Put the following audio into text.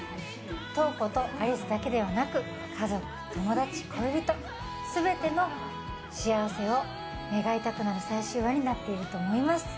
瞳子と有栖だけではなく家族、友達、恋人、全ての幸せを願いたくなる最終話になっていると思います。